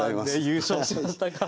優勝しましたか。